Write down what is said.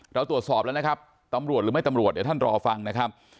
เราตรวจสอบแล้วนะครับตำรวจหรือไม่ตำรวจเดี๋ยวท่านรอฟังนะครับ